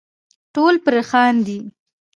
ټول پر خاندي .